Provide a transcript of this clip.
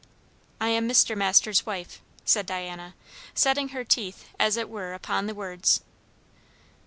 "I am Mr. Masters' wife," said Diana, setting her teeth as it were upon the words.